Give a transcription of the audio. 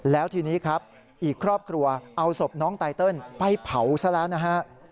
แล้วทีนี้ครับอีกครอบครัวเอาศพน้องไตเติลไปเผาซะแล้วนะฮะ